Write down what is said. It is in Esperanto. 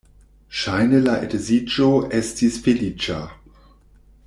Ŝajne la edziĝo estis feliĉa.